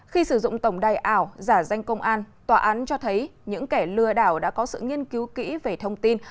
khi sử dụng tổng đài ảo giả danh công an tòa án cho thấy những kẻ lừa đảo đã có sự nghiên cứu kỹ về thông tin